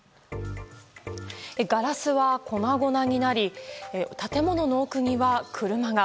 ガラスは粉々になり建物の奥には車が。